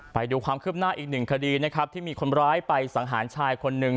ไปดูความคืบหน้าอีกหนึ่งคดีนะครับที่มีคนร้ายไปสังหารชายคนหนึ่ง